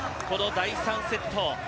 この第３セット